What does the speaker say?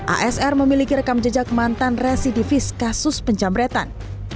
asr memiliki rekam jejak mantan residivis kasus penjamretan